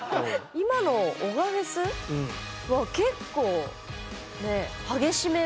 今の男鹿フェスは結構ね激しめの。